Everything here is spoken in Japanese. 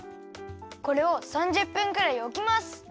これを３０分くらいおきます！